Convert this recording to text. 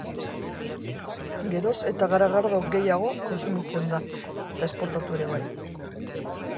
Geroz eta garagardo gehiago kontsumitzen da, eta esportatu ere bai.